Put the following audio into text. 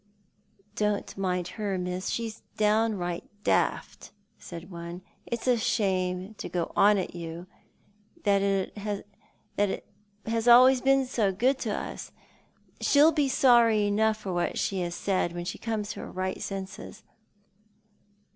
" Don't mind her, Miss, she's right down daft," said one. '•' Its a shame to go on at you, that has always been so good to us. She'll be sorry enough for what she has said when she comes to her right senses."